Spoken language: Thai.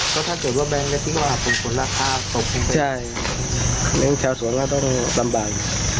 ก็ถ้าเกิดว่าแบงค์ในที่หาผลคุณราคาตกใช่เพราะฉะนั้นชาวสวนก็ต้องลำบ่าย